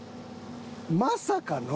まさかの。